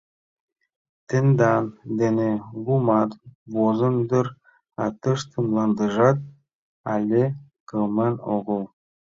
Тендан дене лумат возын дыр, а тыште мландыжат але кылмен огыл.